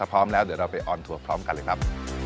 พร้อมแล้วเดี๋ยวเราไปออนทัวร์พร้อมกันเลยครับ